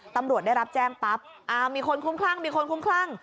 ตำรวจได้รับแจ้งปั๊บมีคนคุ้มคลั่งมีคนคุ้มคลั่ง